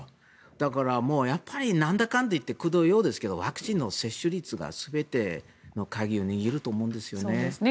だから、やっぱりなんだかんだいってくどいようですけどワクチンの接種率が全ての鍵を握ると思うんですね。